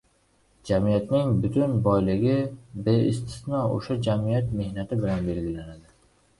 Jamiyatning butun boyligi beistisno o‘sha jamiyat mehnati bilan belgilanadi.